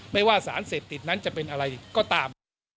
ไม่ว่าสารเสพติดนั้นจะเป็นอะไรก็ตาม